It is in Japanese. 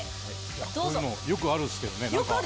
こういうのよくあるっすけどね